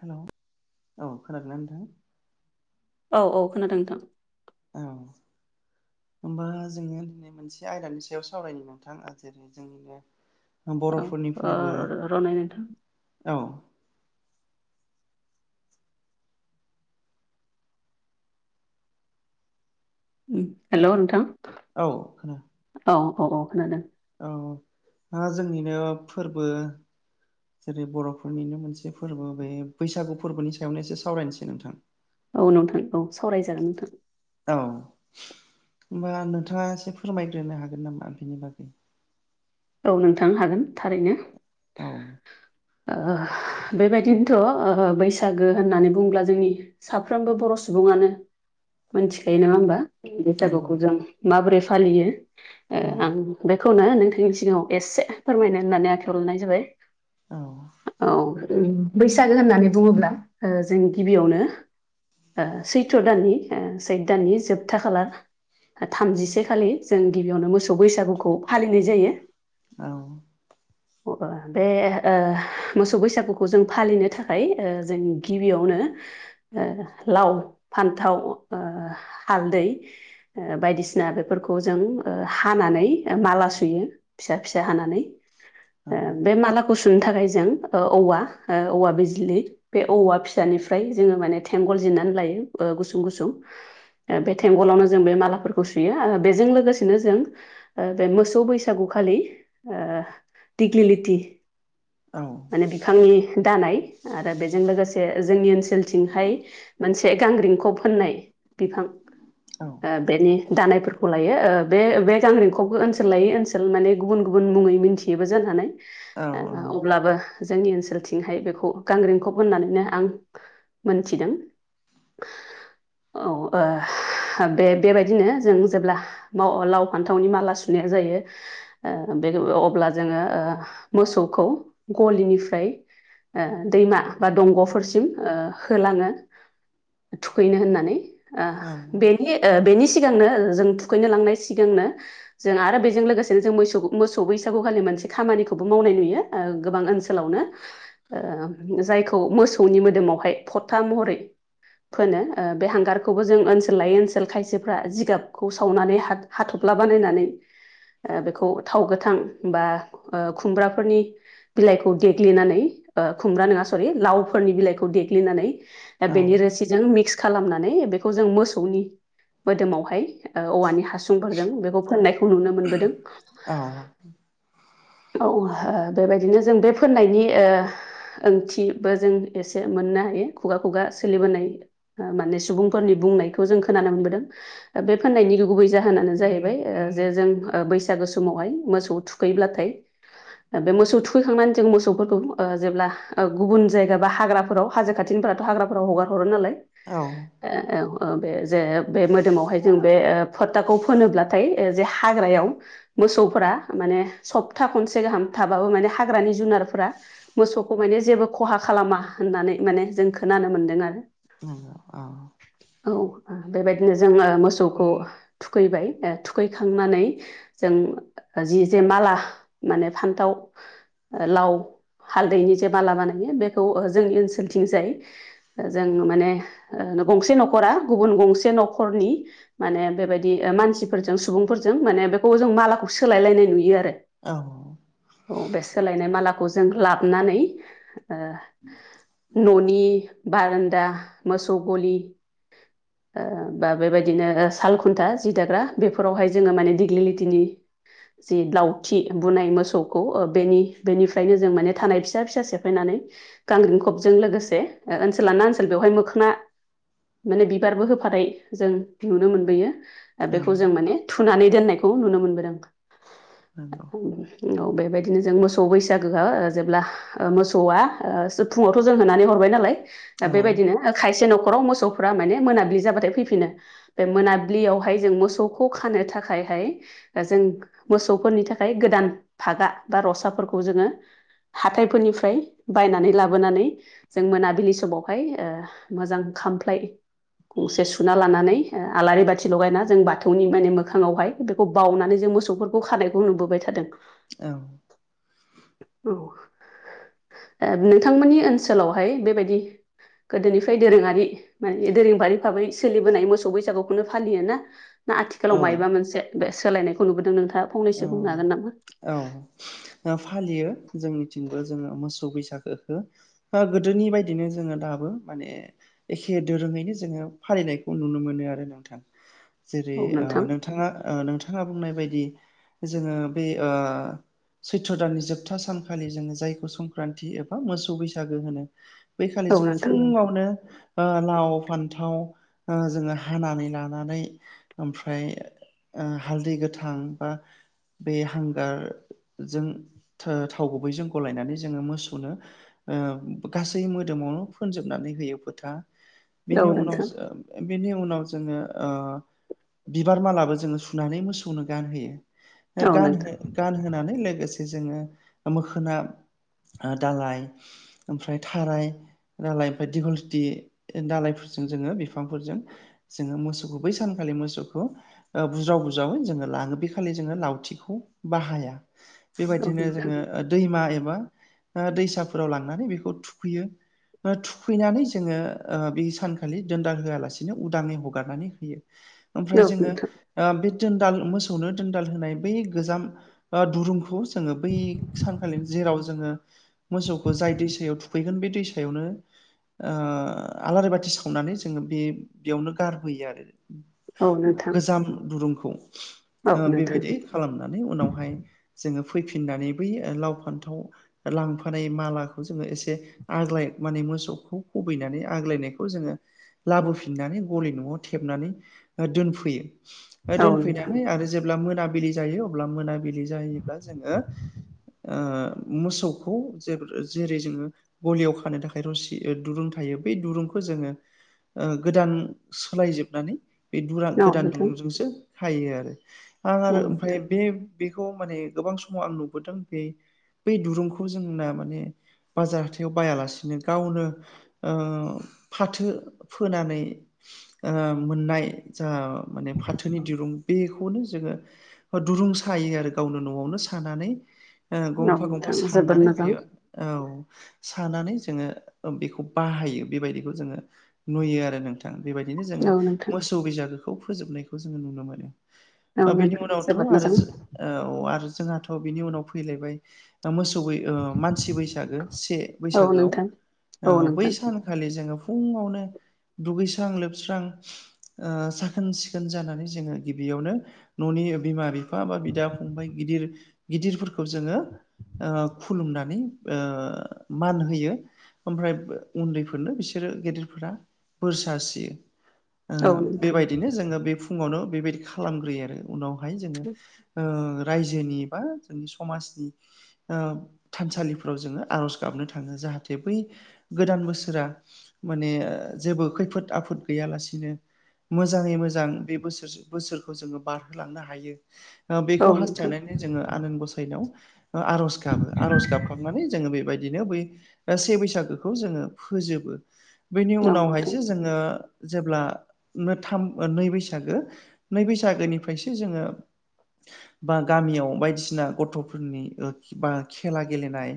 हेल' औ खोनादोंना नोंथां? औ औ खोनादों नोंथां। औ। होमबा जोङो दिनै मोनसे आयदानि सायाव सावरायनो नोंथां ओ जेरै जोंनिनो औ बर'फोरनि फोरबो ओ रनाय नोंथां औ हेल' नोंथां औ खोना औ औ औ खोनादों। औ ओ जोंनिनो फोरबो जेरै बर'फोरनिनो मोनसे फोरबो बे बैसागु फोरबोनि सायावनो एसे सावरायनोसै नोंथां। औ नोंथां औ सावरायजागोन नोंथां। औ होमबा नोंथाङा एसे फोरमायग्रोनो हागोन नामा बिनि बागै। औ नोंथांनो हागोन थारैनो। औ। ओ बेबायदिनोथ' ओ बैसागो होननानै बुंङोब्ला जोंनि साफ्रोमबो बर' सुबुङानो मोनथिखायो नङा होमबा? नंगौ बैसागुखौ जों माबोरै फालियो ओ औ आं बेखौनो नोंथांनि सिगाङाव एसे फोरमायनो होननानै आखायाव लनाय जाबाय औ औ। बैसागो होननानै बुङोब्ला ओ जों गिबियावनो ओ सैथ' दाननि ओ सैथ दाननि जोबथा खालार थामजिसेखालि जों गिबियावनो मोसौ बैसागुखौ फालिनाय जायो। औ बे मोसौ बैसागुखौ जों फालिनो थाखाय जों गिबियावनो लाव फान्थाव हालदै ओ बायदिसिना बेफोरखौ जों हानानै माला सुयो। फिसा फिसा हानानै औ बे माला गुसुनो थाखाय जों ओ औवा ओ औवा बिज्लि बे औवा फिसानिफ्राय जोङो माने थेंगल जिरनानै लायो ओ गुसुं गुसुं। बे थेंगलावनो जों बे मालाफोरखौ ओ सुयो बेजों लोगोसेनो जों ओ बे मोसौ बैसागु खालि ओ दिग्लिलिथि औ। माने बिफांनि दानाय आरो बेजों लोगोसे जोंनि ओनसोलथिंहाय मोनसे गांग्रिंखौ फोननाय बिफां बेनि दानायफोरखौ लायो बे बे गांरंखबो ओनसोल लायो ओनसोल माने गुबुन गुबुन मुङै मिन्थियोबो जानोानानै औ अब्लाबो जोंनि ओनसोलथिंहाय बेखौ गांग्रिेंखब होननानैनो आं मोनथिदों। [inaudible] औ बे बेबायदिनो जों जेब्ला लाव फान्थावनि माला सुनाया जायो। बे अब्ला जोङो मोसौखौ गलिनिफ्राय ओ दैमा बा दंग'फोरसिम होलाङो। थुखैनो होननानै बेनि बेनि सिगांनो जों थुखैनो लांनाय सिगांनो जों आरो बेजों लोगोसे लोगोसेनो जों मोसौ मोसौ बैसागु खालि मोनसे खामानिखौबो मावनाय नुयो गोबां ओनसोलावनो जायखौ मोसौनि मोदोमावहाय फथा महरै फोनो बे हांगारखौबो जों ओनसोल लायै ओनसोल खायसेफ्रा जिगाबखौ सावनानै हा हाथबला बानायनानै बेखौ थाव गोथां बा खुमब्राफोरनि बिलाइखौ देग्लिनानै खुमब्रा नङा सरि लावफोरनि बिलाइखौ देग्लिनानै दा बेनि रोसिजों मिक्स खालामनानै बेखौ जों मोसौनि मोदोमावहाय औवानि हासुंफोरजों बेखौ फोननायखौ नुनो मोनबोदों। औ औ बेबायदिनो जों बे फोननायनि ओंथिबो जों एसे मोननो हायो खुगा खुगा सोलिबोनाय। माने सुबुंफोरनि बुंनायखौ जों खोनानो मोनबोदों। बे फाननायनि गुबै जाहोनानो जाहैबाय जे जों बैसागो समावहाय मोसौ थुखैब्लाथाय [inaudible] बे मोसौ थुखैखांनानै जों मोसौफोरखौ जेब्ला गुबुन जायगा बा हाग्राफोराव हाजो खाथिनिफोराथ' हाग्राफोराव हगार हरो नालाय। औ औ औ बे जे बे मोदोमावहाय जों बे फथाखौ फोनोब्लाथाय जे हाग्रायाव मोसौफोरा माने सप्ता खनसे गाहाम थाबाबो माने हाग्रानि जुनारफोरा मोसौखौ माने जेबो खहा खालामा होननानै माने जों खोनानो मोनदों आरो नौ औ औ बेबायदिनो जोङो मोसौखौ थुखैबाय थुखैखांनानै जों जि जे माला माने फान्थाव लाव हालदैनि जे माला बानायो बेखौ जोंनि ओनसोलथिं जाय जों माने गंसे न'खरा गुबुन गंसे न'खरनि माने बेबायदि मानसिफोरजों सुबुंफोरजों माने बेखौ जों मालाखौ सोलायलायनाय नुयो आरो औ औ बे सोलायनाय मालाखौ जों लाबनानै न'नि बारान्दा मोसौ गलि [inaudible] ओ बा बेबायदिनो साल खुन्था जि दाग्रा बेफोरावहाय जोङो माने दिग्लिलिटिनि जि लाउथि थि बुनाय मोसौखौ बेनि बेनिफ्रायनो जों माने थानाय फिसा फिसा सेफायनानै गांग्रिं खबजों लोगोसे ओनसोल ना ओनसोल बेवहाय मोखना माने बिबारबो होफानाय जों नुनो मोनबोयो। औ बेखौ जों माने थुनानै दोननायखौ नुनो मोनबोदों। नंगौ। औ बेबायदिनो जों मोसौ बैसागोआ जेब्ला ओ मोसौआ फुङावथ' जों होनानै हरबाय नालाय औ बेबायदिनो खायसे न'खराव मोसौ फ्रा माने मोनाबिलि जाबाथाय फैफिनो। बे मोनाबिलियावहाय जों मोसौखौ खानो थाखायहाय जों मोसौफोरनि थाखाय फ्राय गोदान फागा बा रसाफोरखौ जोङो हाथायफोरनिफ्राय बायनानै लाबोनानै जों मोनाबिलि समावहाय ओ मोजां खामफ्लाय गंसे सुना लानानै ओ आलारि बाथि लगायना जों बाथौनि माने मोखाङावहाय बेखौ बावनानै जों मोसौफोरखौ खानायखौ नुबोबाय थादों। औ। औ। ओ नोंथांमोननि ओनसोलावहाय बेबायदि गोदोनिफ्राय दोरोङारि माने दोरोंबारि भाबै सोलिबोनाय मोसौ बैसागुखौनो फालियोना? ना औ आथिखालाव मायबा मोनसे बे सोलायनायखौ नुबोदों नोंथाङा फंनैसो बुंनो हागोन नामा? औ फालियो जोंनिथिंबो जोङो मोसौ बैसागोखो ओ गोदोनि बायदिनो जोङो दाबो माने एखे दोरोङैनो जोङो फालिनायखौ नुनो मोनो आरो नोंथां। औ जेरै-ओ नोंथां नोंथाङा ओ नोंथाङा बुंनाय बायदि जोङो बे ओ सैत्र' दाननि जोबथा सानखालि जोङो जायखौ संक्रान्ति एबा मोसौ बैसागो होनो। बैखालि औ जों नोंथां फुङावनो ओ लाव-फान्थाव ओ जोङो हानानै लानानै ओमफ्राय ओ हालदै गोथां बा बे हांगारजों थो थाव गुबैजों गलायनानै जोङो मोसौनो ओ गासै मोदोमावनो फोनजोबनानै होयो फोथा बेनि औ उनाव नोंथां बेनि उनाव जोङो ओ बिबार मालाबो जोङो सुनानै मोसौनो गानहोयो। औ नोंथां गानहो गानहोनानै लोगोसे जोङो मोखोना ओ दालाय ओमफ्राय थाराय दालाय ओमफ्राय दिघलथि दाालायफोरजों जोङो बिफांफोरजों जोङो मोसौखौ बै सानखालि मोसौखौ ओ बुज्राव बुजावै जोङो लाङो बे खालि जोङो लावथिखौ बाहाया औ बेबायदिनो नोंथां जोङो ओ दैमा एबा ओ दैसाफोराव लांनानै बेखौ थुखैयो। थुखैनानै जोङो ओ बे सानखालि दोनदाल होआलासिनो उदाङै हगारनानै होयो। औ ओमफ्राय जोङो नोंथां ओ बे दोनदाल मोसौनो दोनदाल होनाय बै गोजाम ओ दुरुंखौ जोङो बै सानखालि जेराव जोङो मोसौखौ जाय दैसायाव थुखैगोन बे दैसायावनो ओ आलारि बाथि सावनानै जोङो बे बेयावनो गारबोयो आरो। औ नोंथां औ नोंथां गोजाम दुरुंखौ। ओ बेबायदि खालामनानै उनावहाय जोङो फैफिननानै बै लाव-फान्थाव लांफानाय मालाखौ जोंङो एसे आग्लाय माने मोसौखौ खुबैनानै आग्लायनायखौ जोङो लाबोफिननानै गलि न'आव थेबनानै दोनफैयो। फाय औ नोंथां औ दोनफैनानै आरो जेब्ला मोनाबिलि जायो अब्ला मोना बिलि जायोब्ला जोंङो ओ मोसौखौ जेबो जेरै जोंङो गलियाव खानो थाखाय र'सि ओ दुरुं थायो बै दुरुंखौ जोंङो ओ गोदान सोलायजोबनानै बे दुर गोदान नोंथां दुरुंजोंसो खायो आरो आं औ आरो ओमफ्राय नोंथां बे बेखौ माने गोबां समाव आं नुबोदों बे बे दुरुंखौ जोंना माने बाजार हााथाइाव बायालासिनो गावनो ओ फाथो फोनानै ओ मोननाय जा माने फाथोनि दिरुं बे बेखौनो जोङो दुरुं सायो आरो गावनो न'आवनो सानानै ओ औ गंफा गंफा नोंथां जोबोद सानानै मोजां बेयो औ, सानानै जोङो बेखौ बाहायो बेबायदिखौ जोङो। नुयो आरो नोंथां बेबायदिनो जोंङो औ नोंथां मोसौ बिजागोखौ फोजोबनायखौ जोंङो नुनो मोनो औ दा बिनि नोंथां उनावथ' जोबोद आरो मोजां जो ओ औ आरो जोंहाथ' बिनि उनाव फैलायबाय मोसौ बै ओ मानसि बैसागो से औ बैसागोआव नोंथां औ ओ बै नोंथां सान खालि जोंङो फुंङावनो दुगैस्रां लोबस्रां ओ साखोन सिखोन जानानै जोंङो गिबियावनो न'नि बिमा बिफा बा बिदा फंबाय गिदिर गिदिरफोरखौ जोंङो ओ खुलुमनानै ओ मान होयो ओमफ्राय उन्दैफोरनो बिसोरो गेदेरफोरा बोर सारस्रियो। औ ओ नोंथां बेबायदिनो जोंङो बे फुंङावनो बेबायदि खालामग्रोयो आरो उनाव बेहाय जोंङो ओ रायजोनि बा जोंनि समाजनि ओ थानसालिफोराव जोंङो आर'ज गाबनो थांङो जाहाथे बै गोदान बोसोरा माने जेबो खैफोद आफोद गैयालासिनो मोजांङै मोजां बे बोसोर बोसोरखौ जोंङो बारहोलांनो हायो ओ औ बेखौ नोंथां हास्थायनानै जोंङो आनान गसाइनाव आर'ज गाबो आर'ज गाबखाबनानै जोंङो बेबायदिनो बै से बैसागोखौ जोंङो फोजोबो बैनि औ नोंथां उनावहायसो जोंङो जेब्ला थाम नै बैसागो नै बैसागोनिफ्रायसो जोंङो बा गामियाव बायदिसिना गथ'फोरनि ओ बा खेला गेलेनाय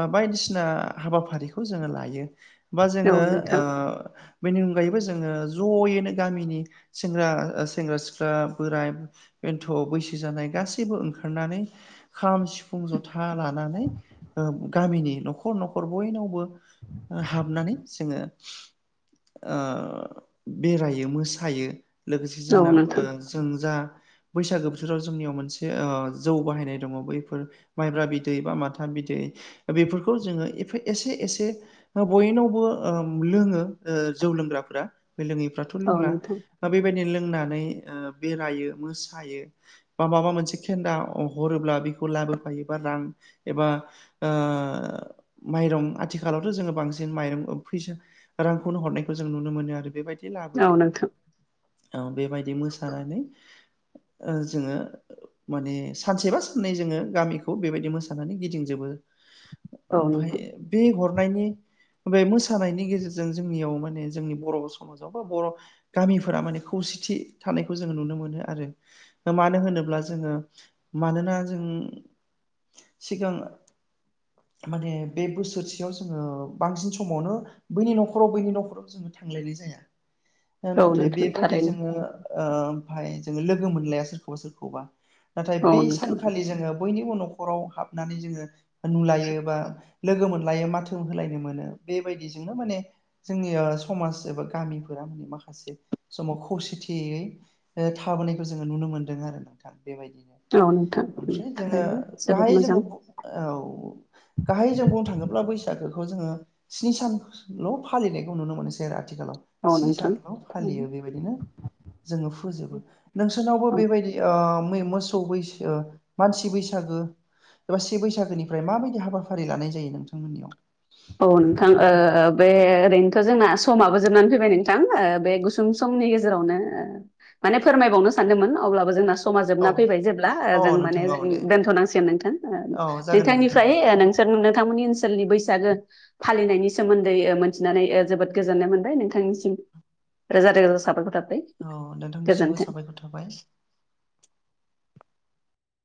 बा बायदिसिना हाबाफारिखौ जोंङो लायो बा औ जोंङो नोंथां ओ बैनि अनगायैबो जोंङो ज'यैनो गामिनि सेंग्रा सेंग्रा सिख्ला बोराय बेन्थु' बैसो जानाय गासैबो ओंखारनानै खाम फुं जथा लानानै ओ गामिनि न'खर न'खर बयनावबो हाबनानै जोंङो ओ बेरायो मोसायो लोगोसे औ जोंना नोंथां जों जा बैसागो बोथोराव जोंनियाव मोनसे ओओ जौ बाहायनाय दंङ बैफोर माइब्रा बिदै बा माथा बिदै बेफोरखौ जोंङो एफा एसे एसे बयनावबो ओ लोंङो ओ जौ लोंग्राफोरा बे लोंङैफ्राथ' औ लोंला नोंथां बेबायदिनो लोंनानै ओ बेरायो मोसायो बा माबा मोनसे खेन्दा हरोब्ला बेखौ लाबोफायोबा रां एबा ओ माइरं आथिखालावथ' जोंङो बांसिन माइरं फैसा रांखौनो हरनायखौ जों नुनो मोनो आरो बेबायदि औ नोंथां लाबोयो बेबायदि मोसानानै ओ जोंङो माने सानसेबा साननै जोंङो गामिखौ बेबायदि मोसानानै गिदिंजोबो औ नोंथां ओमफ्राय बे हरनायनि बे मोसानायनि गेजेरजों जोंनियाव माने जोंनि बर' समाजाव बा बर' गामिफोरा माने खौसेथि थानायखौ जोंङो नुनो मोनो आरो मानो होनोब्ला जोंङो मानोना जों सिगां माने बे बोसोरसेयाव जोङो बांसिन समावनो बैनि न'खराव-बैनि न'खराव जोङो थांलायनाय जाया औ नाथाय बे नोंथां थारैनो हो ओ बाय जों लोगो मोनलाइया सोरखौबा-सोरखौबा नाथाय औ बै नोंथां सानखालि जोङो बयनिबो न'खराव हाबनानै जोङो नुलायो बा लोगो मोनलायो माथो होलायनो मोनो बेबायदिजोंनो माने जोंनि ओ समाज एबा गामिफोरा माने माखासे समाव खौसेथियै थाबोनायखौ जोंङो नुनो मोन्दों आरो नोंथां औ बेबायदिनो नोंथां ओमफ्राय जोंङो थारैनो जोबोद गाहाय मोजां जोंङो औ गाहायै जों बुंनो थांङोब्ला बैसागोखौ जोंङो स्नि सानल' फालिनायखौ नुनो मोनोसै आरो आथिखालाव औ स्नि नोंथां सानल' फालियो थारैनो बे बेबायदिनो जोंङो फोजोबो नोंसोरनावबो औ बेबायदि ओ मै मोसौ बैसो मानसि बैसागो एबा से बैसागोनिफ्राय माबायदि हाबाफारि लानाय जायो नोंथांमोननियाव औ नोंथां ओ बे ओरैनोथ' जोंना समाबो जोबनानै फैबाय नोंथां ओ बे गुस सुं समनि गेजेरावनो माने फोरमाय बावनो‌ सानदोंमोन अब्लाबो जोंना स समा औ जोबना फैबाय जेब्ला औ जों माने नोंथां औ जों दे दोनथ'नांसिगोन नोंथां औ जागोन दे नोंथां दे नोंथांनिफ्राय ओ नोंनोथांमोननि ओनसोलनि बैसागो फालिनायनि सोमोन्दै मोनथिनानै जोबोद गोजोननाय मोनबाय नोंथांनिसिम रोजा-रोजा साबायखर थाबाय। औ नोंथांनिसिमबो गोजोन्थों साबायखर थाबाय।